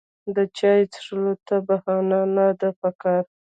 د چای څښلو ته بهانه نه ده پکار.